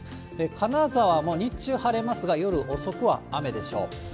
金沢も日中晴れますが、夜遅くは雨でしょう。